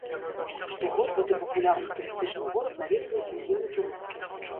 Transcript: Штогод гэты папулярны турыстычны горад наведваюць мільёны турыстаў.